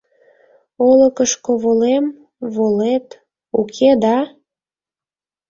Олыкышко волем, волет, уке да?